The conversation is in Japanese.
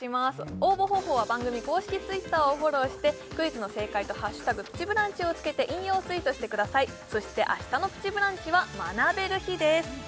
応募方法は番組公式Ｔｗｉｔｔｅｒをフォローしてクイズの正解と「＃プチブランチ」を付けて引用ツイートしてくださいそして明日の「プチブランチ」は学べる日です